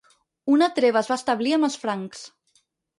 Una treva es va establir amb els francs.